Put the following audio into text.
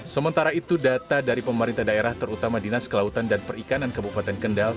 sementara itu data dari pemerintah daerah terutama dinas kelautan dan perikanan kabupaten kendal